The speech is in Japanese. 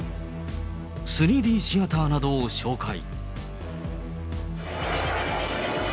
３Ｄシアターなどを紹介。